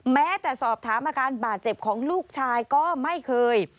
แม้แต่สอบถามอาการบาดเจ็บของลูกชายก็ไม่เคย